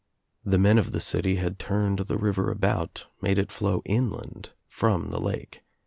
The men of the city had turned the river about, made It flow inland from the lake.